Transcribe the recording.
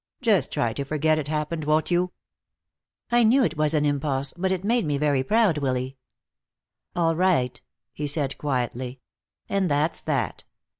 Just try to forget it happened, won't you?" "I knew it was an impulse, but it made me very proud, Willy." "All right," he said quietly. "And that's that.